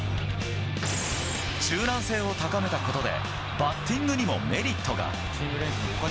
柔軟性を高めたことでバッティングにもメリットが。